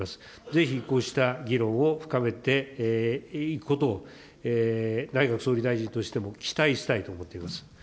ぜひこうした議論を深めていくことを、内閣総理大臣としても期待したいと思っています。